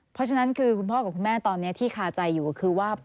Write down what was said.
เพราะฉะนั้นคือคุณพ่อกับคุณแม่ตอนนี้ที่คาใจอยู่ก็คือว่า